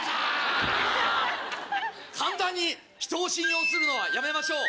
簡単に人を信用するのはやめましょう。